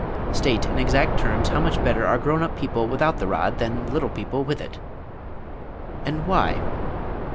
State, in exact terms, how much better are grown up people without the rod, than little people with it. And why?